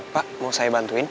pak mau saya bantuin